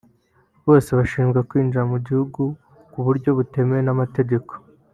bose bashinjwa kwinjira mu gihugu ku buryo butemewe n’amategeko